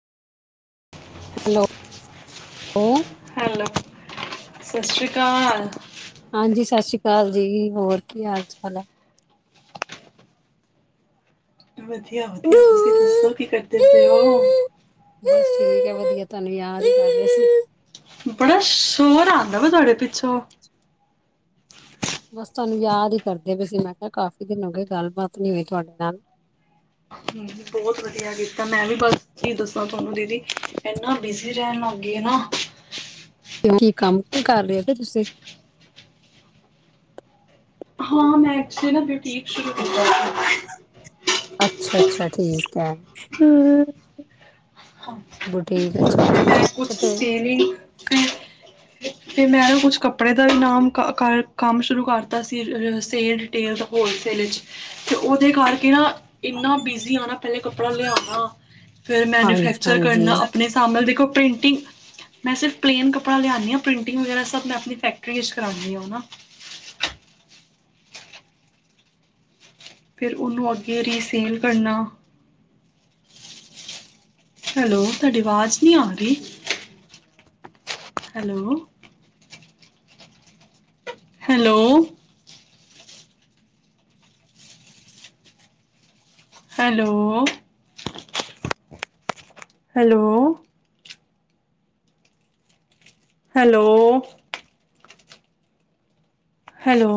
Hello, hello ਸਤਿ ਸ੍ਰੀ ਅਕਾਲ ਹਾਂਜੀ ਸਤਿ ਸ੍ਰੀ ਅਕਾਲ ਜੀ ਹੋਰ ਕੀ ਹਾਲ ਚਾਲ ਹੈ ਵਧੀ ਬਸ ਠੀਕ ਹੈ ਵਧੀਆ ਧੰਨੂੰ ਯਾਦ ਕਰਦੇ ਸੀ ਬੜਾ ਸ਼ੋਰ ਆਉਂਦਾ ਵਾ ਤੁਹਾਡੇ ਪਿ ਛੋਂ ਬਸ ਤੁਹਾਨੂੰ ਯਾਦ ਹੀ ਕਰਦੇ ਪਏ ਸੀ, ਮੈਂ ਕਿਹਾ ਕਾਫ਼ੀ ਦਿਨ ਹੋ ਗਏ ਗੱਲਬਾਤ ਨਹੀਂ ਹੋਈ ਤੁਹਾਡੇ ਨਾਲ। ਬਹੁਤ ਵਧੀਆ ਕੀਤਾ, ਮੈਂ ਵੀ ਬਸ ਕੀ ਦੱਸਾਂ ਤੁਹਾਨੂੰ ਦੀਦੀ, ਇਨਾ ਬਿਜ਼ੀ ਰਹਿਣ ਲੱਗ ਗਈ ਨਾ। ਕੋਈ ਕੰਮ ਕਰ ਰਹੇ ਹੋ ਕੀ ਤੁਸੀਂ? ਹਾਂ ਮੈਂ, ਐਕਚੁਲੀ ਨਾ ਬੁਟੀਕ ਸ਼ੁਰੂ ਕੀਤਾ ਸੀ। ਅੱਛਾ -ਅੱਛਾ ਠੀਕ ਹੈ, ਹੂੰ ਗੁੱਡ। ਠੀਕ ਆ ਫਿਰ ਮੈਂ ਜੀ, ਕੁਛ ਕਿਤੇ ਸੇਲਿੰਗ ਫਿਰ ਫਿਰ ਮੈਂ ਨਾ ਕੁਛ ਕੱਪੜੇ ਦਾ ਨਾਮ ਕਰ ਕੰਮ ਸ਼ੁਰੂ ਕਰਤਾ ਸੀ ਸੇਲ, ਰਿਟੇਲ, ਹੋਲਸੇਲ ਚ, ਉਹਦੇ ਕਰ ਕੇ ਨਾ ਇਨਾਂ ਬਿਜੀ ਹਾਂ। ਫਿਰ ਮੈਨੂਫੈਕਚਰ ਕਰਨਾ ਹਾਂਜੀ-ਹਾਂਜੀ। ਆਪਣੇ ਆਹ ਦੇਖੋ ਪ੍ਰਿੰਟਿੰਗ, ਮੈਂ ਸਿਰਫ ਪਲੇਨ ਕੱਪੜਾ ਲਿਆਂਉਂਦੀ ਆ, ਪ੍ਰਿੰਟਿੰਗ ਵਗੈਰਾ ਸਭ ਮੈਂ ਆਪਣੀ ਫੈਕਟਰੀ ਵਿੱਚ ਕਰਉਂਦੀ ਹਾਂ ਨਾ। ਫਿਰ ਉਹਨੂੰ ਅੱਗੇ ਰੀ ਸੇਲ ਕਰਨਾ। ਹੈਲੋ ਤੁਹਾਡੀ ਆਵਾਜ਼ ਨਹੀਂ ਆ ਰਹੀ hello- hello- hello- hello- hello- hello-